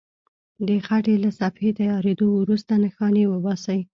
د خټې له صفحې تیارېدو وروسته نښانې وباسئ.